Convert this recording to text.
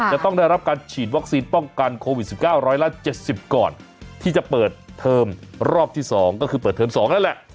จะต้องได้รับการฉีดวัคซีนป้องกันโควิด๑๙ร้อยละ๗๐ก่อนที่จะเปิดเทอมรอบที่๒ก็คือเปิดเทอม๒นั่นแหละ